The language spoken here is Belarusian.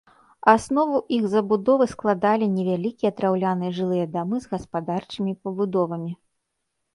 Аснову іх забудовы складалі невялікія драўляныя жылыя дамы з гаспадарчымі пабудовамі.